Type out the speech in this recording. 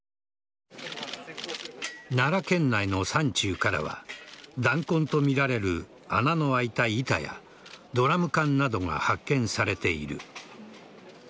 奈良県内の山中からは弾痕とみられる穴の開いた板やドラム缶などが発見されている。